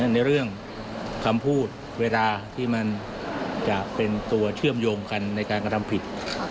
ในเรื่องคำพูดเวลาที่มันจะเป็นตัวเชื่อมโยงกันในการกระทำผิด